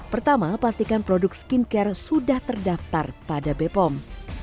pertama pastikan produk skincare sudah terdaftar pada bepom